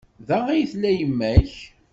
Da ay tella yemma-k?